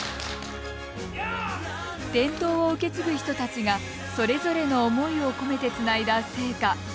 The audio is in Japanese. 伝統を受け継ぐ人たちがそれぞれの思いを込めてつないだ聖火。